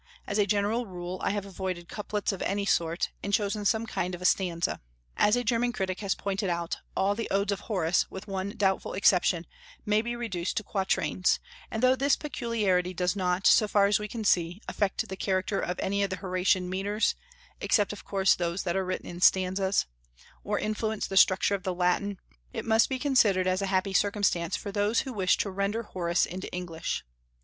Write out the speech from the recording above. As a general rule, I have avoided couplets of any sort, and chosen some kind of stanza. As a German critic has pointed out, all the Odes of Horace, with one doubtful exception, may be reduced to quatrains; and though this peculiarity does not, so far as we can see, affect the character of any of the Horatian metres (except, of course, those that are written in stanzas), or influence the structure of the Latin, it must be considered as a happy circumstance for those who wish to render Horace into English.